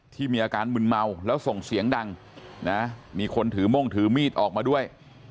ที่มีอาการมึนเมาแล้วส่งเสียงดังนะมีคนถือม่งถือมีดออกมาด้วย